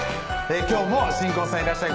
今日も新婚さんいらっしゃい！